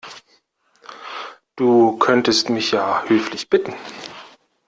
Du könntest mich ja höflich bitten.